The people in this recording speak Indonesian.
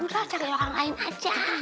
kau cari orang lain aja